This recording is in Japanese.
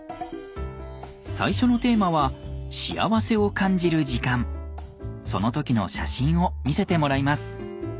最初のテーマはその時の写真を見せてもらいます。